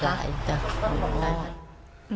หลายจ้ะ